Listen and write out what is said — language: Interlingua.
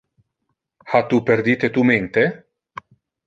Ha tu perdite tu mente?